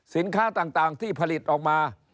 สินค้าต่างที่ผลิตออกมา